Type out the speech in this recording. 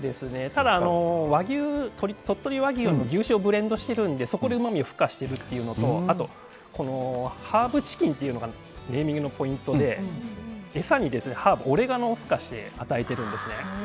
ただ鳥取和牛の牛脂をブレンドしてるのでそこでうまみを付加してるのとあと、ハーブチキンというのがネーミングのポイントで餌にハーブオレガノをふかして与えてるんですね。